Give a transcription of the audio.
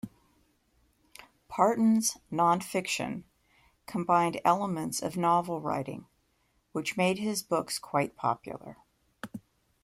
Parton's nonfiction combined elements of novel writing, which made his books quite popular.